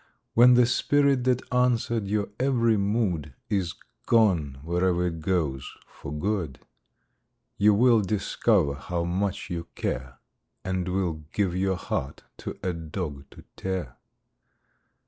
When the spirit that answered your every mood Is gone wherever it goes for good, You will discover how much you care, And will give your heart to a dog to tear!